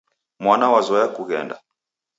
Mwana wazoya kughenda.